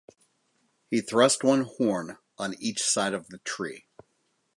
He thrust one horn on each side of the tree.